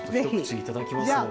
いただきます。